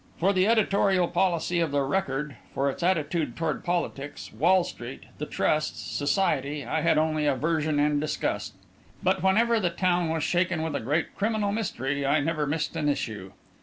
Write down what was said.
For the editorial policy of the Record, for its attitude toward politics, Wall Street, the trusts, "society," I had only aversion and disgust; but whenever the town was shaken with a great criminal mystery, I never missed an issue.